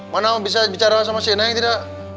mana bisa bicara sama si neng tidak